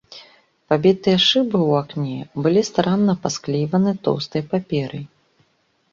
Пабітыя шыбы ў акне былі старанна пасклейваны тоўстай паперай.